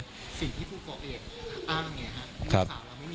สิที่พูดของเอกอ้างไงครับ